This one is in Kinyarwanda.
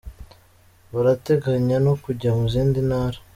Barateganya no kujya mu zindi ntara.